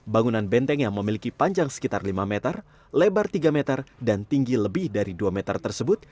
bangunan benteng yang memiliki panjang sekitar lima meter lebar tiga meter dan tinggi lebih dari dua meter tersebut